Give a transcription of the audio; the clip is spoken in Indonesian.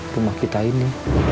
rumah kita ini